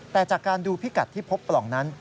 แต่จากการดูพิกัดที่พบปล่องนั้น